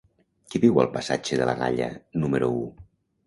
Qui viu al passatge de la Galla número u?